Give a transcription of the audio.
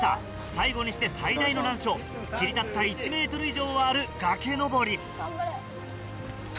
最後にして最大の難所切り立った１ｍ以上はある崖登り。